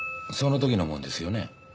その時のもんですよね？